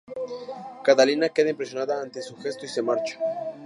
Catalina queda impresionada ante su gesto y se marcha.